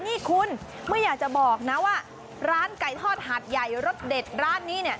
นี่คุณไม่อยากจะบอกนะว่าร้านไก่ทอดหาดใหญ่รสเด็ดร้านนี้เนี่ย